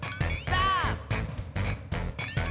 さあ！